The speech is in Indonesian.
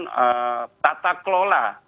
dan tata kelola